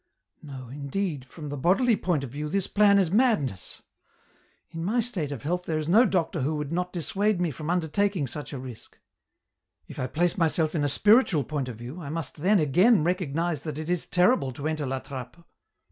" No, indeed, from the bodily point of view, this plan is madness ; in my state of health there is no doctor who would not dissuade me from undertaking such a risk. " If I place myself in a spiritual point of view I must then again recognize that it is terrible to enter La Trappe.